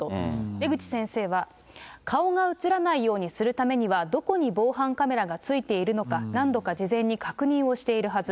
出口先生は、顔が写らないようにするためには、どこに防犯カメラがついているのか、何度か事前に確認をしているはず。